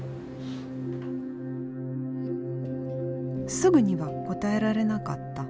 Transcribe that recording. すぐには答えられなかった。